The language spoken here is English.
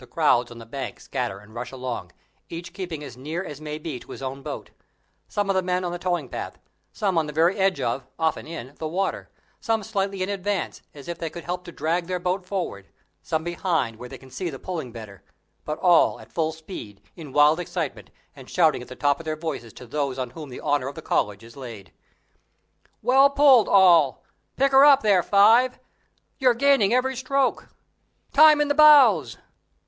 The crowds on the bank scatter and rush along, each keeping as near as may be to its own boat. Some of the men on the towing path, some on the very edge of, often in, the water; some slightly in advance, as if they could help to drag their boat forward; some behind, where they can see the pulling better; but all at full speed, in wild excitement, and shouting at the top of their voices to those on whom the honour of the college is laid. "Well pulled, all!" "Pick her up there, Five!" "You're gaining every stroke!" "Time in the bows!"